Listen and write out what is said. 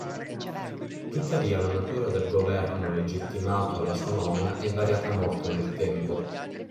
Tuttavia la natura del governo legittimato alla sua nomina è variata molto nel tempo.